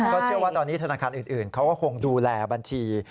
ก็เชื่อว่าตอนนี้ธนาคารอื่นเขาก็คงดูแลบัญชี